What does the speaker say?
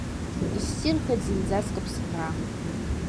Иссирхеит зынӡаск Аԥсынра!